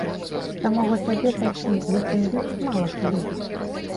Самога сябе такім, які ён ёсць, мала хто любіць.